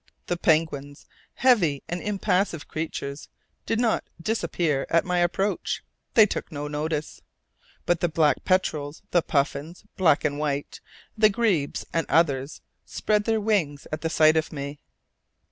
The penguins, heavy and impassive creatures, did not disappear at my approach; they took no notice; but the black petrels, the puffins, black and white, the grebes and others, spread their wings at sight of me.